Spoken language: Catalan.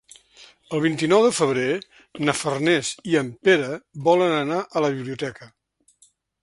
El vint-i-nou de febrer na Farners i en Pere volen anar a la biblioteca.